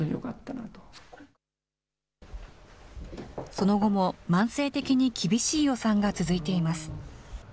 その後も慢性的に厳しい予算が続いています。